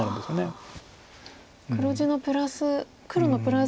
黒地のプラス黒のプラス以上に。